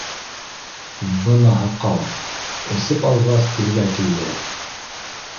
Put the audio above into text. Бына һаҡау, эсеп алғас, телгә килде: